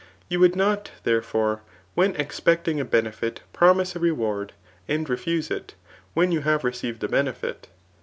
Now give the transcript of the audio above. You would not, thereu fere, when expecting a benefit promise a reward, and Mfuse it, when you have received the benefit."